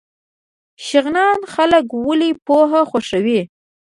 شغنان خلک ولې پوهه خوښوي؟